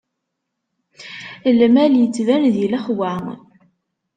Lmal ittban di lexwa.